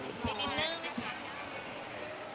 ท่านทิศวุ่นดินหนึ่ง